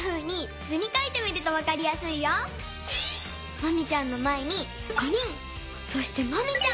マミちゃんのまえに５人そしてマミちゃん。